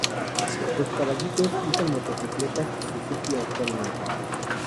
Los "caballitos" usan motocicletas Suzuki actualmente.